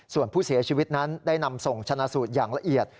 ส่วนผู้เสียชีวิตนั้นได้นำส่งชนะสูตรอย่างละเอียด